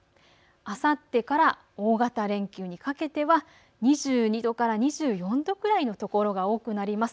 あさってから大型連休にかけては２２度から２４度くらいの所が多くなります。